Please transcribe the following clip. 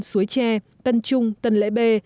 suối tre tân trung tân lễ bê